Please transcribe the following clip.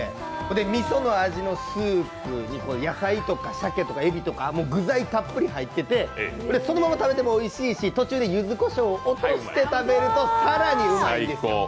みその味のスープに野菜とかしゃけとかえびとか具材たっぷり入ってて、そのまま食べてもおいしいし途中でゆずこしょうを落として食べると更にうまいんです。